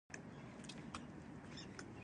روسیې او سوېډن په جګړه کې ښکیل شول.